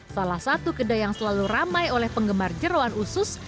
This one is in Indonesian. salah satu kedai yang selalu ramai oleh penggemar jerawan usus